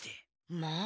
まあ。